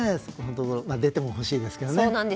出てもほしいですけどね。